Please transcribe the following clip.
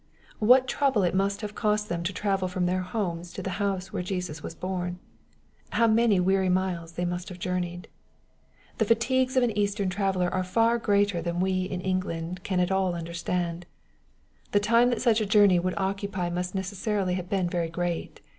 What trouble it must have cost them to travel from their homes to the house where Jesus was born ! How many weary miles they must have journeyed 1 The fatigues of an Eastern traveller are &r greater than we in England can at all understand. The time that such a journey would occupy •must necessarily have been very great.